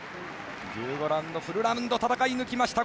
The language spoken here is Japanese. １５ラウンドフルラウンド戦い抜きました。